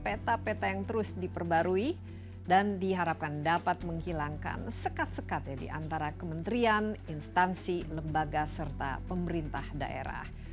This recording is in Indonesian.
peta peta yang terus diperbarui dan diharapkan dapat menghilangkan sekat sekat ya diantara kementerian instansi lembaga serta pemerintah daerah